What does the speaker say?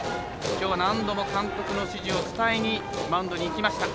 きょう何度も監督の指示を伝えにマウンドに行きました。